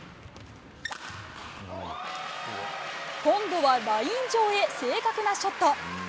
今度はライン上へ正確なショット。